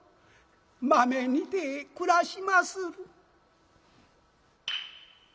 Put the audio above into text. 「まめにて暮らしまする」。